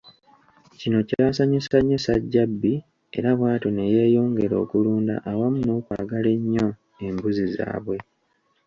Kino kyasanyusa nnyo Ssajjabbi era bwatyo ne yeeyongera okulunda awamu n’okwagala ennyo embuzi zaabwe.